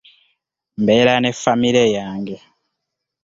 Mbeera ne famire yange.